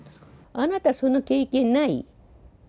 あなた、その経験ない？